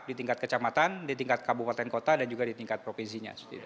di tingkat kecamatan di tingkat kabupaten kota dan juga di tingkat provinsinya